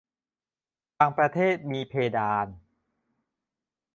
บางประเทศมีเพดาน